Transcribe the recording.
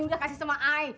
udah kasih sama i